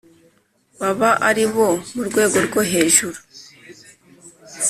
baba ari abo mu rwego rwo hejuru.